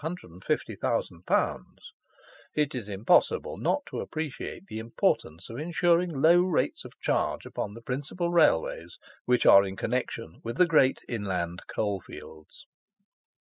_, it is impossible not to appreciate the importance of insuring low rates of charge upon the principal Railways which are in connexion with the great inland coal fields.